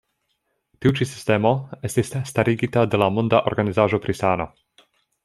Tiu ĉi sistemo estis starigita de la Monda Organizaĵo pri Sano.